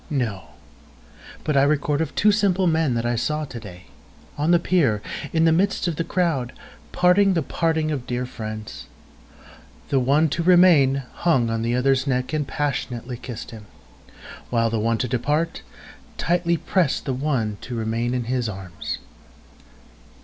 —No; But I record of two simple men I saw to day, on the pier, in the midst of the crowd, parting the parting of dear friends; The one to remain hung on the other's neck, and passionately kiss'd him, While the one to depart, tightly prest the one to remain in his arms.